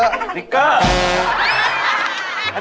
สติ๊กเกอร์